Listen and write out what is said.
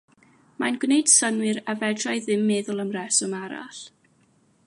Mae'n gwneud synnwyr a fedra'i ddim meddwl am reswm arall.